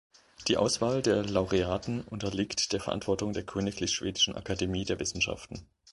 Die Auswahl der Laureaten unterliegt der Verantwortung der Königlich Schwedischen Akademie der Wissenschaften.